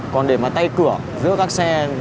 còn để mà tay cửa giữa các xe